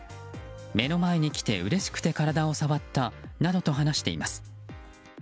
目の前に来てうれしくて体を触ったなどと話しています。